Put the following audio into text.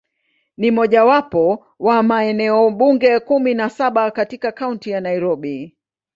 Ni mojawapo wa maeneo bunge kumi na saba katika Kaunti ya Nairobi.